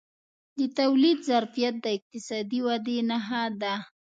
د تولید ظرفیت د اقتصادي ودې نښه ده.